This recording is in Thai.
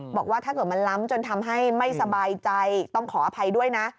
บอกว่าถ้าเกิดมันล้ำจนทำให้ไม่สบายใจต้องขออภัยด้วยนะ